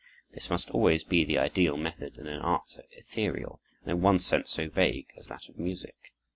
This must always be the ideal method in an art so ethereal and, in one sense, so vague as that of music.